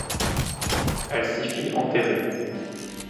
Elle s'y fit enterrer.